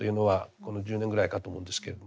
この１０年ぐらいかと思うんですけれども。